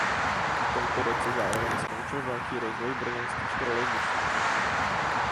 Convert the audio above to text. V tomto roce zároveň skončil velký rozvoj brněnských trolejbusů.